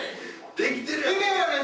できてるわ！